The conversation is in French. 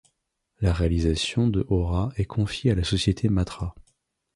La réalisation de Aura est confiée à la société Matra.